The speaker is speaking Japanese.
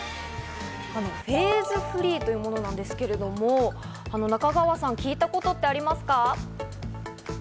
フェーズフリーというものなんですけど、中川さん、聞いたことはありますか？